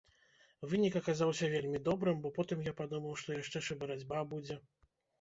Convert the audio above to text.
Вынік аказаўся вельмі добрым, бо потым я падумаў, што яшчэ ж і барацьба будзе.